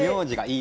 「い」？